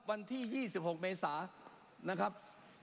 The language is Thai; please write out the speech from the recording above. วันที่๒๖เมษานะครับ